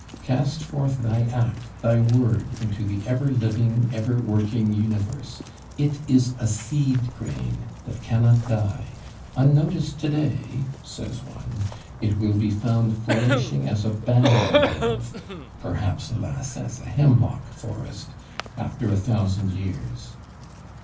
Cast forth thy Act, thy Word, into the ever living, ever working Universe: it is a seed grain that cannot die; unnoticed to day (says one), it will be found flourishing as a Banyan grove (perhaps, alas, as a Hemlock forest!) after a thousand years.